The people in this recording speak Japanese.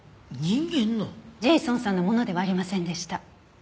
ジェイソンさんのものではありませんでした。